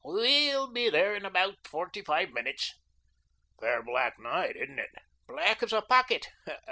We will be there in about forty five minutes." "Fair black night, isn't it?" "Black as a pocket.